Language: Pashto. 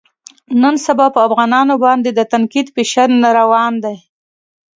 نن سبا په افغانانو باندې د تنقید فیشن روان دی.